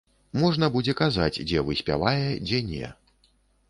Можна будзе казаць, дзе выспявае, дзе не.